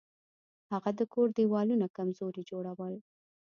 هغه د کور دیوالونه کمزوري جوړ کړل.